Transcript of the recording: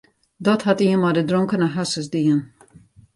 Dat hat ien mei de dronkene harsens dien.